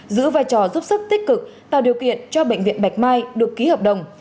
giữ vai trò giúp sức tích cực tạo điều kiện cho bệnh viện bạch mai được ký hợp đồng